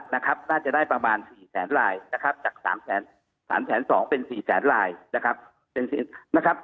น่าจะได้ประมาณ๔แสนลายนะครับจาก๓๒๐๐เป็น๔แสนลายนะครับ